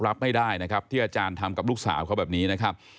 รับไม่ได้นะครับที่อาจารย์ทำกับลูกสาวเขาแบบนี้นะครับ